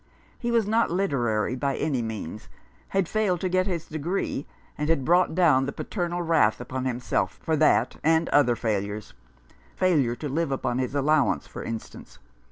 He was not literary by any means, had failed to get his degree, and had brought down the paternal wrath upon himself for that and other failures — failure to live upon his allowance, for instance.